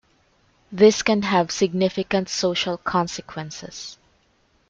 This can have significant social consequences.